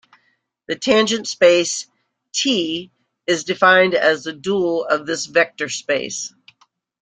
The tangent space "T" is defined as the dual of this vector space.